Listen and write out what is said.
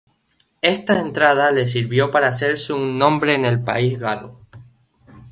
Esta entrada le sirvió para hacerse un nombre en el país galo.